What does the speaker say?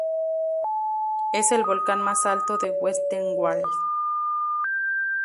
Es el volcán más alto de Westerwald.